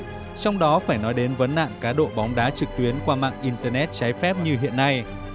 trong đó phải nói đến vấn nạn cá độ bóng đá trực tuyến qua mạng internet trái phép như hiện nay